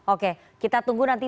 oke kita tunggu nanti